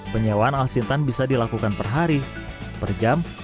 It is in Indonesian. penyewaan alsintan bisa dilakukan per hari per jam